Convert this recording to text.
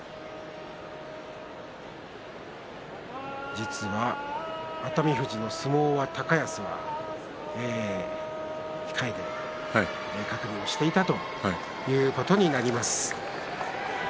実は、熱海富士の相撲は高安は控えで確認をしていたということになります。